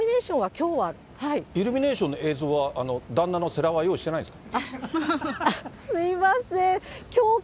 イルミネーションの映像は、旦那のせらは用意してないんですか。